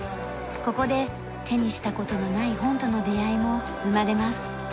ここで手にした事のない本との出会いも生まれます。